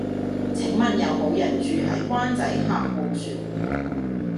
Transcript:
請問有無人住喺灣仔峽傲璇